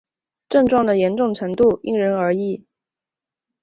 症状的严重程度因人而异。